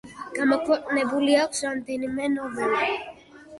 გამოქვეყნებული აქვს რამდენიმე ნოველა.